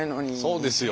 そうですよ